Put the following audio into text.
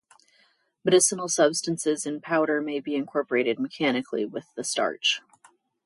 Medicinal substances in powder may be incorporated mechanically with the starch.